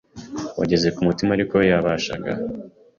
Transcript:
wageze ku mutima ariko we yabashaga